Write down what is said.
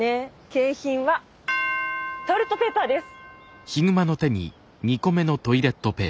景品はトイレットペーパーです。